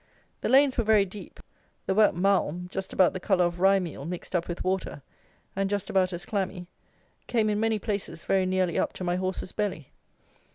The lanes were very deep; the wet malme just about the colour of rye meal mixed up with water, and just about as clammy, came in many places very nearly up to my horse's belly.